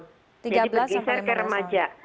jadi bergeser ke remaja